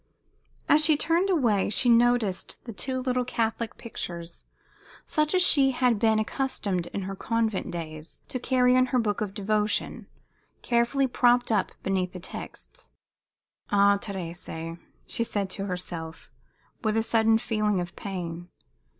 As she turned away she noticed two little Catholic pictures, such as she had been accustomed in her convent days to carry in her books of devotion, carefully propped up beneath the texts. "Ah, Thérèse!" she said to herself, with a sudden feeling of pain.